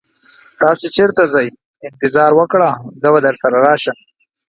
تاسو چیرته ځئ؟ انتظار وکړه، زه به درسره راشم.